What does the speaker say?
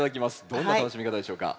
どんな楽しみ方でしょうか？